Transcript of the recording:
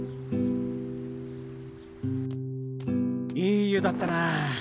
いい湯だったな。